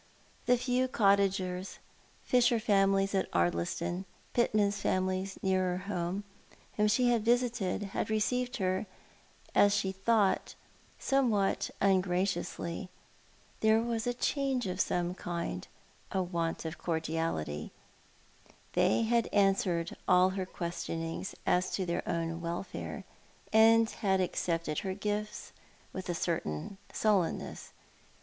The few cottagers — fisher families at Ardliston, pitmen's families nearer home — whom she had visited had re ceived her, as she thought, somewhat ungracioiisly. There was a change of some kind, a want of cordiality. They had answered all her questionings as to their own welfare, and had accepted her gifts with a certain suUenness.